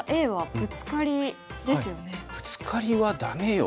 「ブツカリはダメよ」